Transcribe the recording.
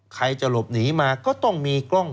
ใครจะหลบหนีมาก็ต้องมีกล้อง